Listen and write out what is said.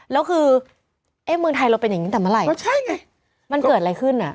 แล้วคือเมืองไทยเราเป็นอย่างนี้ตั้งแต่เมื่อไหร่มันเกิดอะไรขึ้นน่ะ